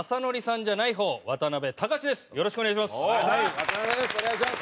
よろしくお願いします。